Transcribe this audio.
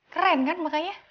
keren kan makanya